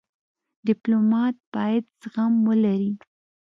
ډيپلومات باید زغم ولري.